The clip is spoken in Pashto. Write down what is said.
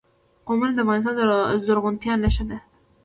قومونه د افغانستان د زرغونتیا نښه ده.